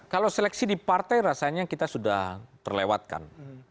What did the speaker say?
kalau seleksi di partai rasanya kita sudah terlewatkan